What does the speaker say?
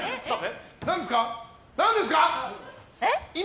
何ですか？